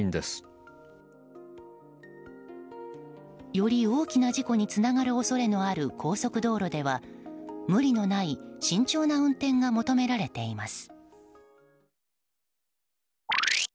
より大きな事故につながる恐れのある高速道路では無理のない慎重な運転が求められています。